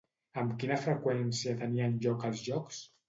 Amb quina freqüència tenien lloc els Jocs?